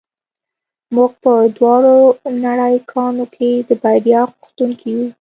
موږ په دواړو نړۍ ګانو کې د بریا غوښتونکي یو